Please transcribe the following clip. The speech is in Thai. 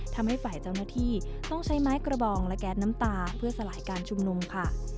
ทำให้ฝ่ายเจ้าหน้าที่ต้องใช้ไม้กระบองและแก๊สน้ำตาเพื่อสลายการชุมนุมค่ะ